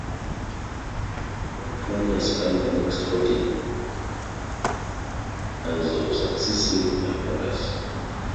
Pomponia spent the next forty years in open mourning in defiance of successive emperors.